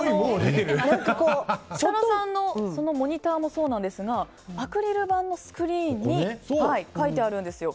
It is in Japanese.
設楽さんのモニターもそうなんですがアクリル板のスクリーンに書いてあるんですよ。